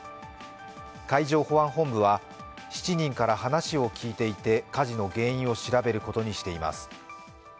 海上保安本部は７人から話を聞いていて火事の原因を調べることにしています。